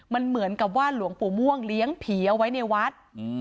มันเหมือนกับว่าหลวงปู่ม่วงเลี้ยงผีเอาไว้ในวัด